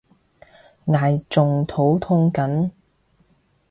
唉仲肚痛緊